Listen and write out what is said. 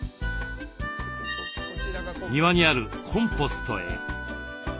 庭にあるコンポストへ。